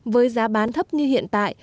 với giá bán thấp như hiện tại